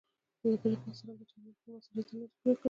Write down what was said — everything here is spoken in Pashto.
له بلې خوا څرنګه چې امیر خپل مسولیتونه نه دي پوره کړي.